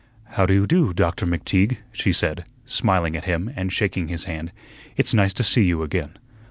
"How do you do, Doctor McTeague," she said, smiling at him and shaking his hand. "It's nice to see you again.